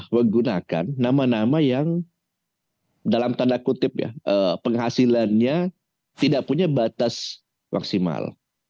menggunakan nama nama yang dalam tanda kutip ya penghasilannya tidak punya batas maksimal